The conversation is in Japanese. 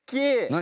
何？